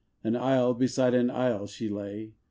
An isle beside an isle she lay.